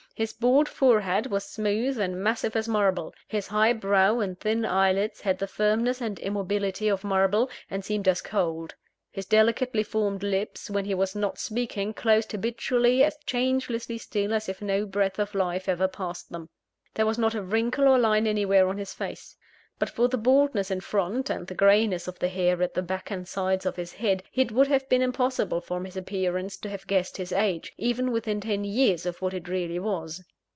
His bald forehead was smooth and massive as marble; his high brow and thin eyelids had the firmness and immobility of marble, and seemed as cold; his delicately formed lips, when he was not speaking, closed habitually, as changelessly still as if no breath of life ever passed them. There was not a wrinkle or line anywhere on his face. But for the baldness in front, and the greyness of the hair at the back and sides of his head, it would have been impossible from his appearance to have guessed his age, even within ten years of what it really was.